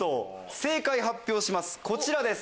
正解発表します